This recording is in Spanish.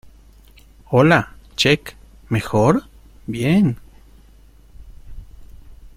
Hola. Check .¿ mejor? bien .